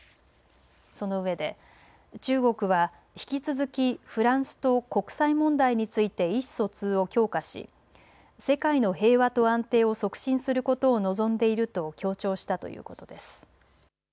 そのうえで中国は引き続きフランスと国際問題について意思疎通を強化し世界の平和と安定を促進することを望んでいると強調したということです。